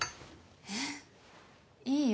えっいいよ。